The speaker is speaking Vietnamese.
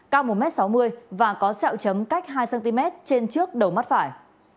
cao một m sáu mươi và có sẹo chấm cách hai cm trên trước đầu mắt phải